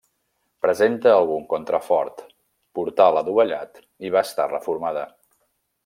Presenta algun contrafort, portal adovellat i va estar reformada.